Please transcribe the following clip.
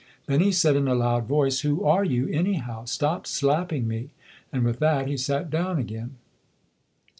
Then he said in a loud voice, "Who are you, anyhow? Stop slapping me". And with that, he sat down again.